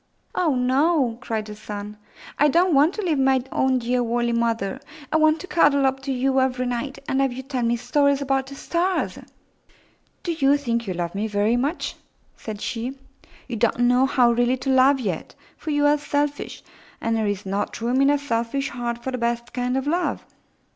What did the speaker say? "Oh, no!" cried her son. "I don't want to leave my own dear woolly mother! I want to cuddle up to you every night and have you tell me stories about the stars." "Do you think you love me very much?" said she. 257 MY BOOK HOUSE Wf^ /''■'■' "You don't know how really to love yet, for you are selfish, and there is not room in a selfish heart for the best kind of love."